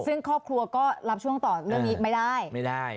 ซึ่งครอบครัวก็รับช่วงต่อเรื่องนี้ไม่ได้ไม่ได้